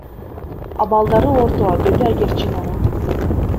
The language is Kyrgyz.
Абалдары орто, — деди Айгерчинова.